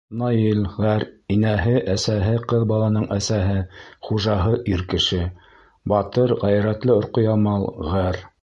Наил ғәр. — инәһе, әсәһе, ҡыҙ баланың әсәһе, хужаһы ир кеше; батыр, ғәйрәтле Орҡоямал ғәр.